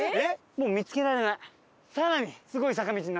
もう見つけられない。